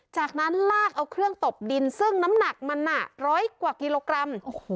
จากนั้นลากเอาเครื่องตบดินซึ่งน้ำหนักมันร้อยกว่ากิโลกรัม